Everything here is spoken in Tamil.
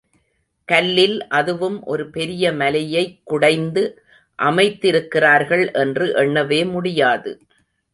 கல்லில் அதுவும் ஒரு பெரிய மலையைக் குடைந்து அமைத்திருக்கிறார்கள் என்று எண்ணவே முடியாது.